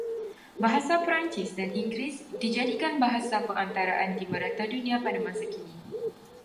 Bahasa Perancis dan Inggeris dijadikan bahasa perantaraan di merata dunia pada masa kini